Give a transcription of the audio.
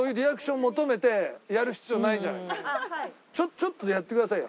ちょっとやってくださいよ。